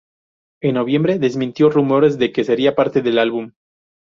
En noviembre, desmintió rumores de que sería parte del álbum.